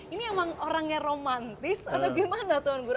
ini emang orangnya romantis atau gimana tuan guru